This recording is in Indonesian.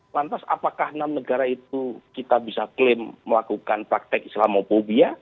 lantas apakah enam negara itu kita bisa klaim melakukan praktek islamophobia